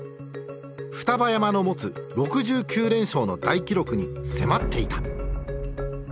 双葉山の持つ６９連勝の大記録に迫っていた。